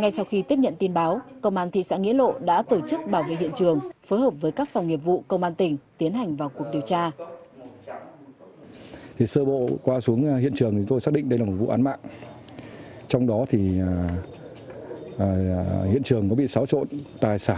ngay sau khi tiếp nhận tin báo công an thị xã nghĩa lộ đã tổ chức bảo vệ hiện trường phối hợp với các phòng nghiệp vụ công an tỉnh tiến hành vào cuộc điều tra